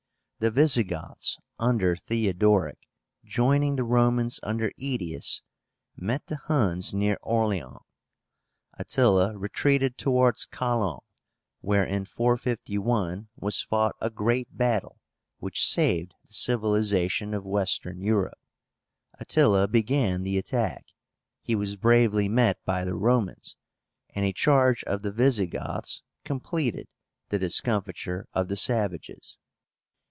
The Visigoths under Theodoric, joining the Romans under Aetius, met the Huns near Orleans. Attila retreated towards Chalons, where, in 451, was fought a great battle, which saved the civilization of Western Europe. Attila began the attack. He was bravely met by the Romans; and a charge of the Visigoths completed the discomfiture of the savages.